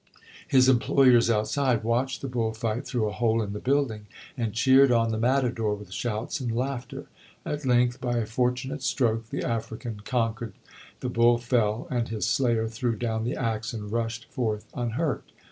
His employers outside watched the bull fight through a hole in the building, and cheered on the matador with shouts and laughter. At length, by a fortunate stroke, the African conquered, the bull fell, and his slayer threw down the axe and rushed forth unhurt.